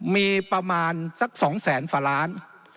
มีประมาณสัก๒๐๐๐๐๐ฝราณ